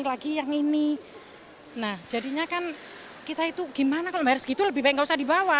mereka terpaksa mengurangi jumlah barang bawaan untuk menghindari biaya tambahan untuk bagasi yang dibawa